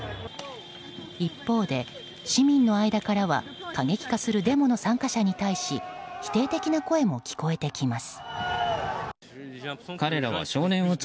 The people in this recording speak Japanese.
一方で市民の間からは過激化するデモの参加者に対し否定的な声も聞こえてきます。